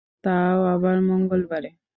তাও আবার মঙ্গলবারে!